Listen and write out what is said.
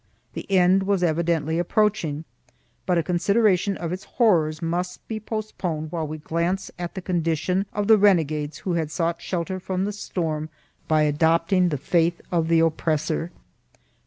The end was evidently approaching, but a consideration of its horrors must be postponed while we glance at the condition of the renegades who had sought shelter from the storm by adopting the faith of the oppressor.